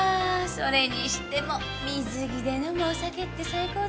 それにしても水着で飲むお酒って最高だね。